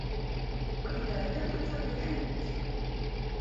وَإِذَا ضِقْتُ فَبِالْهَيْئَةِ